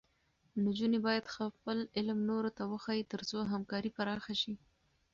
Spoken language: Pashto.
نجونې باید خپل علم نورو ته وښيي، تر څو همکاري پراخه شي.